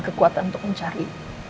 kekuatan untuk mencari